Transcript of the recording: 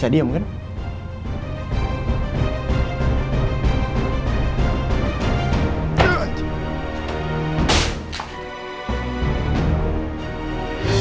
kita bisa menjaga tempat tempat patricia michelle